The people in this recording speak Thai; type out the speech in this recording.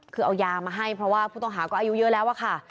คือเอายามาให้เพราะว่าผู้ต้องหาก็อายุเยอะแล้วอะค่ะ